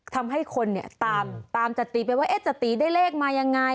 ทำให้คนเนี่ยตามจติไปว่าจตีได้เลขมายังไง